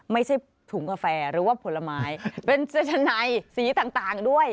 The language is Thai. ไม่ใช่ถุงกาแฟหรือว่าผลไม้เป็นเจนัยสีต่างด้วย